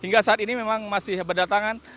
hingga saat ini memang masih berdatangan